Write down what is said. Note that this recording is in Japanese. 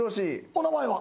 お名前は？